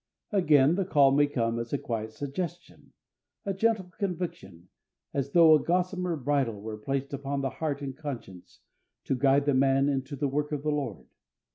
Again, the call may come as a quiet suggestion, a gentle conviction, as though a gossamer bridle were placed upon the heart and conscience to guide the man into the work of the Lord.